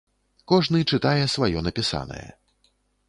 Кожны чытае сваё напісанае.